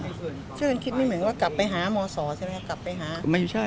ช่วยกันคิดนี่เหมือนแบบกลับไปหามสใช่ไหมครับกลับไปหา